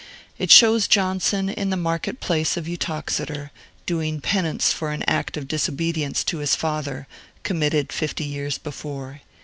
It shows Johnson in the market place of Uttoxeter, doing penance for an act of disobedience to his father, committed fifty years before.